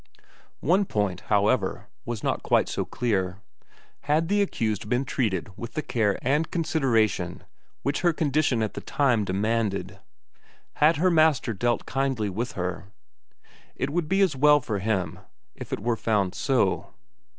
One point, however, was not quite so clear: had the accused been treated with the care and consideration which her condition at the time demanded? Had her master dealt kindly with her? It would be as well for him if it were found so.